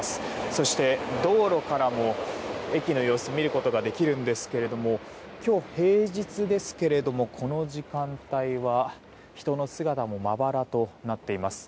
そして、道路からも駅の様子を見ることができるんですが今日、平日ですけれどもこの時間帯は人の姿もまばらとなっています。